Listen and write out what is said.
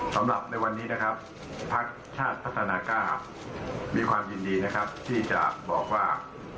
สำหรับในวันนี้นะครับภักดิ์ชาติพัฒนากล้ามีความยินดีนะครับที่จะบอกว่า